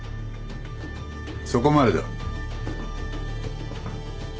そこまでだ。